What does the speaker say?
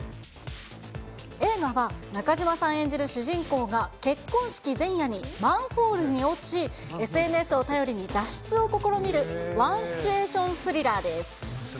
映画は、中島さん演じる主人公が、結婚式前夜にマンホールに落ち、ＳＮＳを頼りに、脱出を試みるワンシチュエーションスリラーです。